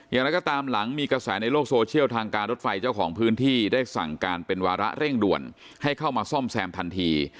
อย่างไรก็ตามหลังมีกระแสในโลกโซเชียลทางการรถไฟเจ้าของพื้นที่ได้สั่งการเป็นวาระเร่งด่วนให้เข้ามาซ่อมแซมทันที